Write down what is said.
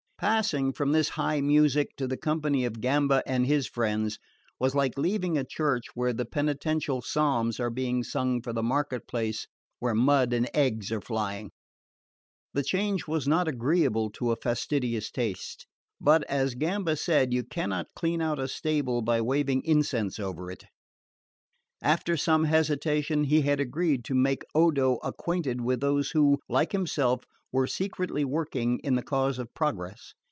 Passing from this high music to the company of Gamba and his friends was like leaving a church where the penitential psalms are being sung for the market place where mud and eggs are flying. The change was not agreeable to a fastidious taste; but, as Gamba said, you cannot clean out a stable by waving incense over it. After some hesitation, he had agreed to make Odo acquainted with those who, like himself, were secretly working in the cause of progress.